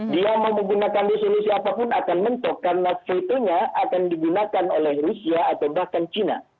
dia mau menggunakan resolusi apapun akan mentok karena vetonya akan digunakan oleh rusia atau bahkan china